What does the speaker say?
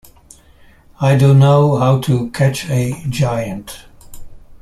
I dunno how to catch a giant.